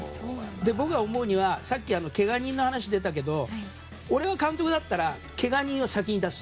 僕が思うにはさっき、けが人の話出たけど俺は監督だったらけが人を先に出す。